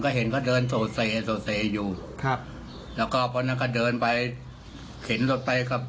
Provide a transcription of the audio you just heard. ก็เห็นเขาเดินโสเซโสเซอยู่ครับแล้วก็เพราะนั้นเขาเดินไป